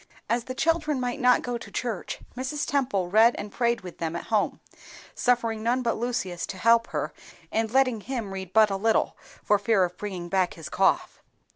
As the children might not go to church, Mrs. Temple read and prayed with them at home, suffering none but Lucius to help her, and letting him read but little, for fear of bringing back his cough.